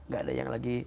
gak ada yang lagi